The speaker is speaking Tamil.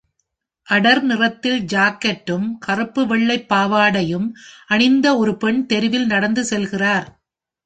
அடர் நிறத்தில் ஜாக்கெட்டும், கருப்பு வெள்ளை பாவாடையும் அணிந்த ஒரு பெண் தெருவில் நடந்துசெல்கிறார்.